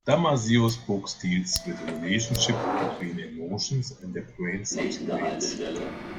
Damasio's books deal with the relationship between emotions and their brain substrates.